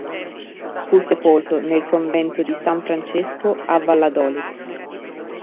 Fu sepolto nel Convento di San Francesco a Valladolid